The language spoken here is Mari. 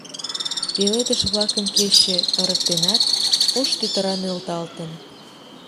Пеледыш-влакым кече ырыктенат, ош тӱтыра нӧлталтын.